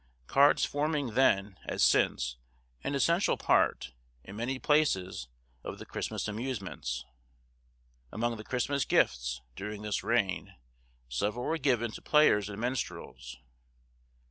Cards forming then, as since, an essential part, in many places, of the Christmas amusements. Among the Christmas gifts, during this reign, several were given to players and minstrels.